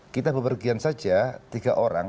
kita berpergian saja tiga orang